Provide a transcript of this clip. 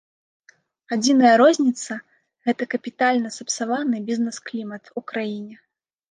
Адзіная розніца, гэта капітальна сапсаваны бізнес-клімат у краіне.